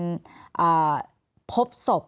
แอนตาซินเยลโรคกระเพาะอาหารท้องอืดจุกเสียดแสบร้อน